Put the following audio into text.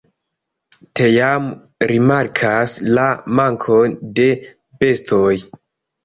Teamo rimarkas la mankon de bestoj.